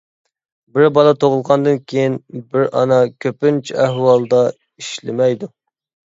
بىر بالا تۇغۇلغاندىن كىيىن بىر ئانا كۆپىنچە ئەھۋالدا ئىشلىمەيدۇ.